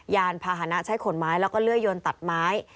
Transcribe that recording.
ยานพาหนะใช้ขนไม้แล้วก็เลื่อยยนตัดไม้